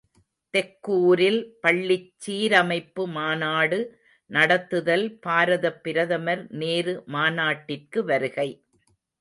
தெக்கூரில் பள்ளிச் சீரமைப்பு மாநாடு நடத்துதல் பாரதப் பிரதமர் நேரு மாநாட்டிற்கு வருகை.